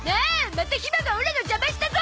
またひまがオラの邪魔したゾ！